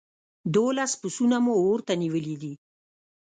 دوولس پسونه مو اور ته نيولي دي.